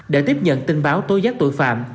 để tiếp nhận tin báo tối giác tội phạm